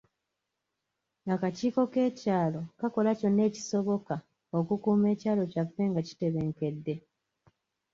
Akakiiko k'ekyalo kakola kyonna okisobola okukuuma ekyalo kyaffe nga kitebenkedde.